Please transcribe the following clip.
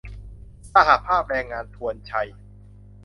สหภาพแรงงานทวนไชย์